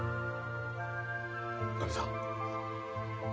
おかみさん。